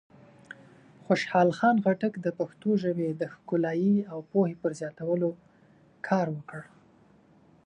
خوشحال خان خټک د پښتو ژبې د ښکلایۍ او پوهې پر زیاتولو کار وکړ.